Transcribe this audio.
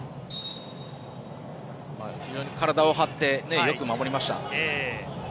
非常に体を張ってよく守りました。